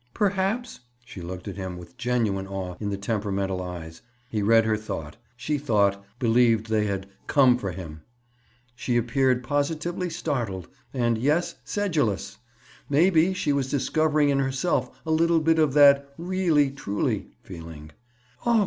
"Perhaps—?" She looked at him with genuine awe in the temperamental eyes. He read her thought; she thought—believed they had "come for him." She appeared positively startled, and—yes, sedulous! Maybe, she was discovering in herself a little bit of that "really, truly" feeling. "Oh!"